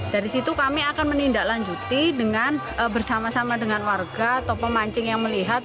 dari situ kami akan menindaklanjuti bersama sama dengan warga atau pemancing yang melihat